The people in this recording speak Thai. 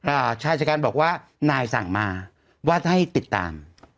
ชายจัดการบอกว่านายสั่งมาว่าให้ติดตาม